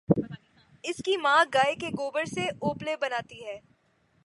اس کی ماں گائےکے گوبر سے اپلے بناتی ہے